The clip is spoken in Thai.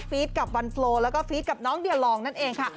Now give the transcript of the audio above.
กับวันโฟลแล้วก็ฟีดกับน้องเดียลองนั่นเองค่ะ